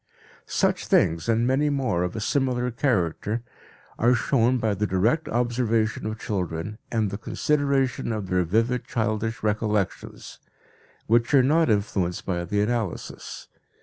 Such things, and many more of a similar character, are shown by the direct observation of children and the consideration of their vivid childish recollections, which are not influenced by the analysis.